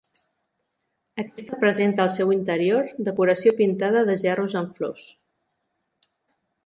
Aquesta presenta al seu interior, decoració pintada de gerros amb flors.